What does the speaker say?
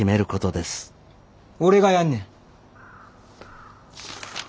俺がやんねん。